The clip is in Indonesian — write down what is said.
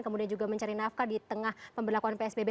kemudian juga mencari nafkah di tengah pemberlakuan psbb